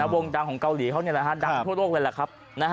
วงดังของเกาหลีเขาดังทั่วโลกเลยแหละครับ